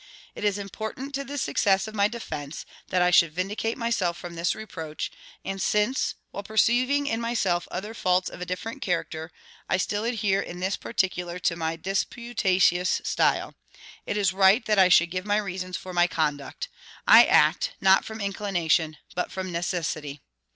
It is important to the success of my defence, that I should vindicate myself from this reproach; and since, while perceiving in myself other faults of a different character, I still adhere in this particular to my disputatious style, it is right that I should give my reasons for my conduct. I act, not from inclination, but from necessity.